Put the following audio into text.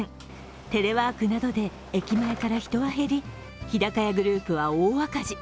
テレワークなどで駅前から人は減り日高屋グループは大赤字。